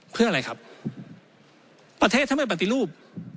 เพื่ออะไรครับประเทศถ้าไม่ปฏิรูป